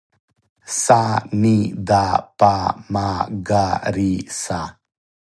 са ни да па ма га ри са